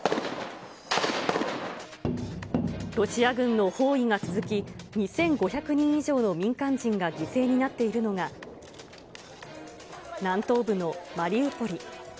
ロシア軍の包囲が続き、２５００人以上の民間人が犠牲になっているのが、南東部のマリウポリ。